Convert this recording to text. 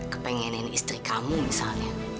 kepengen istri kamu misalnya